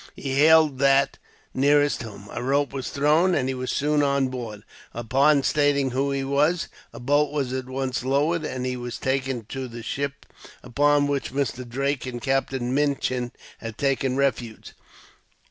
He hailed that nearest him. A rope was thrown, and he was soon on board. Upon stating who he was, a boat was at once lowered, and he was taken to the ship upon which Mr. Drake and Captain Minchin had taken refuge.